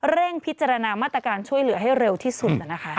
เร่งพิจารณามาตรการช่วยเหลือให้เร็วที่สุด